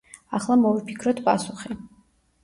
ახლა მოვიფიქროთ პასუხი.